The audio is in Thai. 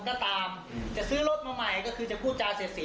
จะไปทำอะไรมาเพิ่มเติมก็ตามจะซื้อรถมาใหม่ก็คือจะพูดจาเศรษฐี